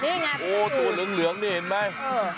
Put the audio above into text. นี่ตัวเหลืองนี่เห็นไหม